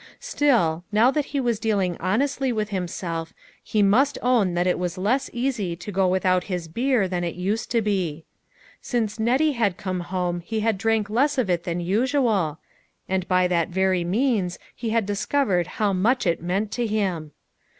Still, now that he was dealing honestly' with himself, he must own that it was less easy to go without his beer than it used to be. Since Nettie had come home he had drank less of it than usual, and by that very means he had discovered how much it meant to him.